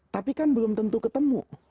tapi kan belum tentu ketemu